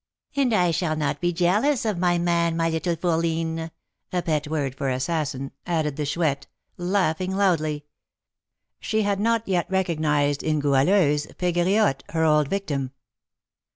"And I shall not be jealous of my man, my little fourline" (a pet word for assassin), added the Chouette, laughing loudly. She had not yet recognised in Goualeuse "Pegriotte," her old victim.